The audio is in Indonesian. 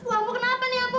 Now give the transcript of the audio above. ambu kenapa nih ambu